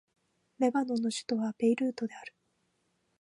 レバノンの首都はベイルートである